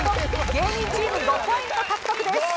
芸人チーム５ポイント獲得です。